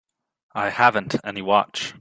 I haven't any watch.